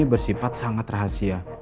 bersifat sangat rahasia